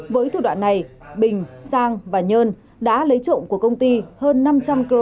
với thủ đoạn này bình sang và nhơn đã lấy trộm của công ty hơn năm trăm linh kg tôm nguyên liệu